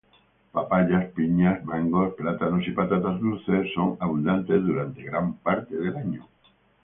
Papayas, piñas, mangos, plátanos y patatas dulces son abundantes durante gran parte del año.